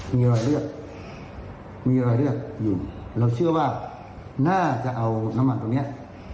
มีรอยเลือดมีรอยเลือดอยู่เราเชื่อว่าน่าจะเอาน้ำมันตรงนี้